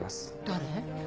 誰？